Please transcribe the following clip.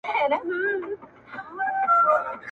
کرۍ ورځ به وه په نجونو کي خندانه٫